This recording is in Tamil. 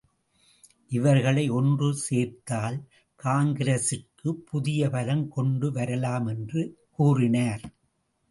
இவர்களை ஒன்று சேர்த்தால் காங்கிரசிற்கு புதிய பலம் கொண்டு வரலாம் என்று கூறினார்.